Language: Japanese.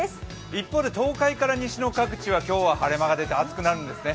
一方で東海から西の各地は今日は晴れ間が出て暑くなるんですね。